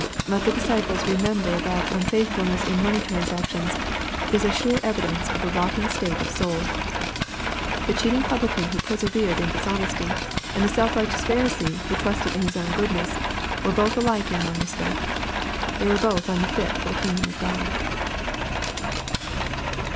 Let the disciples remember that unfaith fulness in money transactions, is a sure evidence of a rotten state of soul. The cheating publican who persevered in dishonesty, and the self righteous Pharisee who trusted in his own goodness, were both alike in one respect. They were both unfit for the kingdom of God.